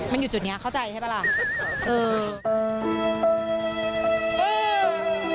มันอยู่จุดนี้เข้าใจใช่ปะล่ะ